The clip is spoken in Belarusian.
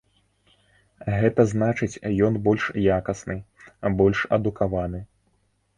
Гэта значыць ён больш якасны, больш адукаваны.